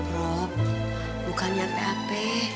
rob bukannya pap